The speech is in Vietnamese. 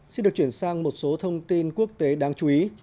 xin được chuyển sang một số thông tin quốc tế đáng chú ý